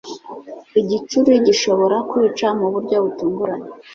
igicuri gishobora kwica mu buryo butunguranye.